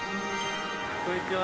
こんにちは。